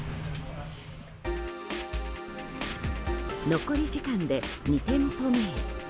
残り時間で２店舗目へ。